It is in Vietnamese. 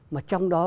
mà trong đó